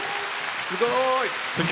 すごい！